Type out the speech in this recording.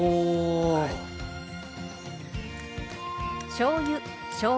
しょうゆしょうが